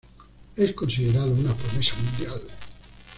Es considerado una promesa mundial.